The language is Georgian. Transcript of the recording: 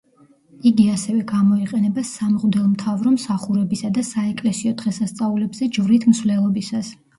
იგი ასევე, გამოიყენება სამღვდელმთავრო მსახურებისა და საეკლესიო დღესასწაულებზე ჯვრით მსვლელობისას.